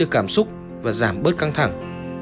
cảm xúc và giảm bớt căng thẳng